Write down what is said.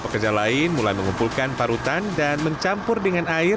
pekerja lain mulai mengumpulkan parutan dan mencampur dengan air